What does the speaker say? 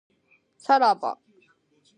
さらば